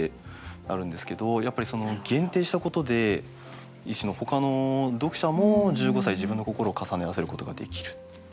やっぱりその限定したことで一種のほかの読者も１５歳自分の心を重ね合わせることができる。